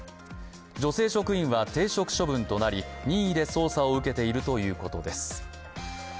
女性職員は停職処分となり、任意で捜査を受けているということです。